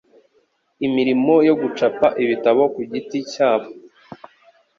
imirimo yo gucapa ibitabo ku giti cyabo